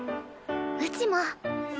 うちも！